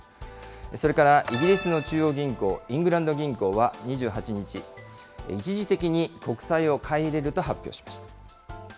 それからイギリスの中央銀行、イングランド銀行は２８日、一時的に国債を買い入れると発表しました。